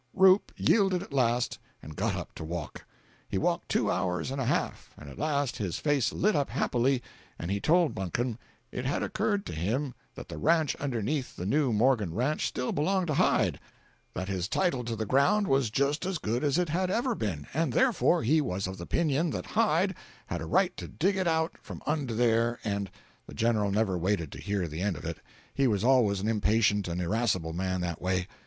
Roop yielded at last and got up to walk. He walked two hours and a half, and at last his face lit up happily and he told Buncombe it had occurred to him that the ranch underneath the new Morgan ranch still belonged to Hyde, that his title to the ground was just as good as it had ever been, and therefore he was of opinion that Hyde had a right to dig it out from under there and— The General never waited to hear the end of it. He was always an impatient and irascible man, that way.